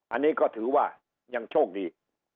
อันนี้ก็ถือว่ายังโชคดี